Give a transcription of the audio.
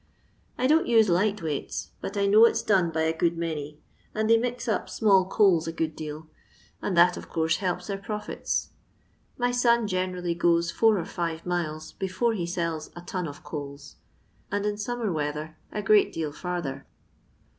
I don't use light weights, but I know it 's done by a good many, and they mix up small coals a good deal, and that of course helps their profits. My son generally goes four or five miles before he sells a ton of coals, and in snmmsr weather a great deal fiirtber.